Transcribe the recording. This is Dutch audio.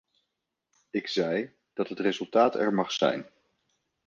Ik zei dat het resultaat er mag zijn.